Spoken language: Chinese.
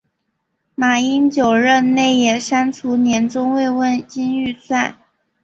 马英九任内也删除年终慰问金预算。